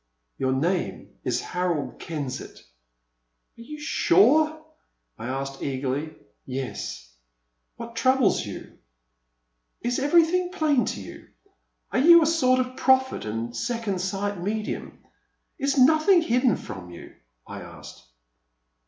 '''* Your name is Harold Kensett." Are you sure ?" I asked, eagerly. Yes, — ^what troubles you ?Is everything plain to you ? Are you a sort of prophet and second sight medium ? Is nothing hidden from you? " I asked.